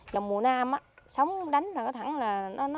dòng mùa nam á sóng đánh là có thẳng là nó nó nó